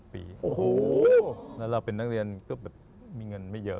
โอ้โหแล้วเราเป็นนักเรียนก็แบบมีเงินไม่เยอะ